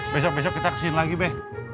besok besok kita kesini lagi deh